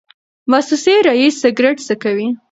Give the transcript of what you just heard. موسسې رییس سګرټ څکوي.